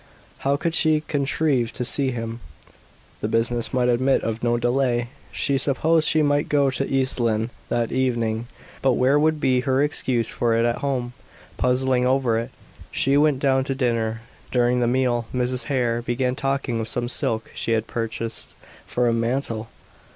How could she contrive to see him? The business might admit of no delay. She supposed she must go to East Lynne that evening; but where would be her excuse for it at home? Puzzling over it, she went down to dinner. During the meal, Mrs. Hare began talking of some silk she had purchased for a mantle.